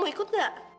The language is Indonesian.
mau ikut gak